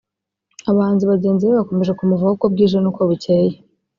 abahanzi bagenzi be bakomeje kumuvaho uko bwije n’uko bukeye